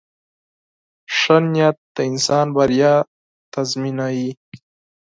• ښه نیت د انسان بریا تضمینوي.